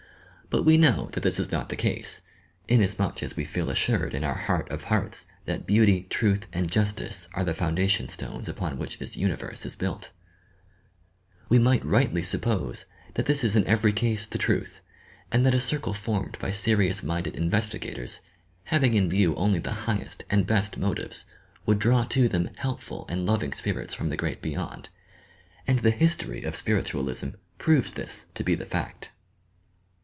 But we know "HARMONIOUS CONDITIONS" tliat this is not the ease, iDBsmuch as we feel assured in our heart of hearts that beauty, truth, and justice are the foundation stones upon which this universe is built, ""We might rightly suppose that this is in every ease the truth, and that a circle formed by serious minded in vestigators, havJDg in view only the highest and best motives, would draw to them helpful and loving spirits from the great beyond. And the history of Spiritualism proves this to be the fact."